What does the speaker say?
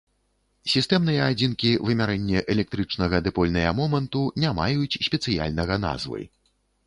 Сістэмныя адзінкі вымярэння электрычнага дыпольныя моманту не маюць спецыяльнага назвы.